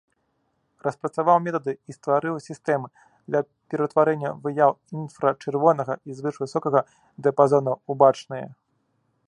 Распрацаваў метады і стварыў сістэмы для пераўтварэння выяў інфрачырвонага і звышвысокага дыяпазонаў ў бачныя.